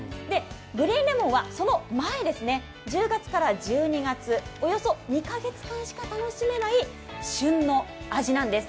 グリーンレモンはその前ですね、１０月から１２月、およそ２カ月半しか楽しめない旬の味なんです。